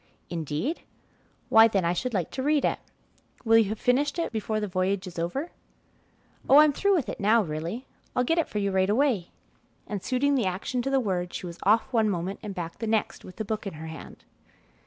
"Indeed? Why, then, I should like to read it. Will you have finished with it before the voyage is over?" "Oh, I'm through with it now really. I'll get it for you right away," and suiting the action to the word, she was off one moment and back the next with the book in her hand.